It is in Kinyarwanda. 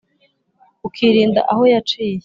Ukirinda aho yaciye,